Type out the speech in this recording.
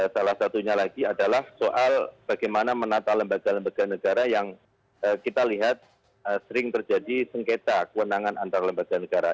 salah satunya lagi adalah soal bagaimana menata lembaga lembaga negara yang kita lihat sering terjadi sengketa kewenangan antar lembaga negara